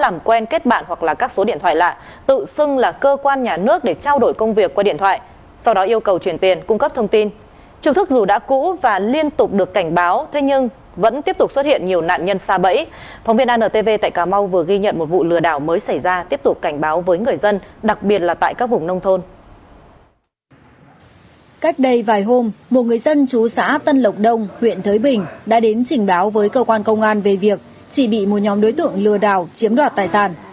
một người dân chú xã tân lộng đông huyện thới bình đã đến trình báo với cơ quan công an về việc chị bị một nhóm đối tượng lừa đảo chiếm đoạt tài sản